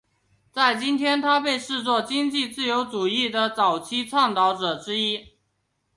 在今天他被视作经济自由主义的早期倡导者之一。